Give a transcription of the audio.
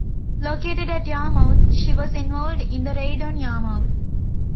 Located at Yarmouth, she was involved in the Raid on Yarmouth.